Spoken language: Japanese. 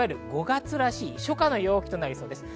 ５月らしい初夏の陽気となりそうです。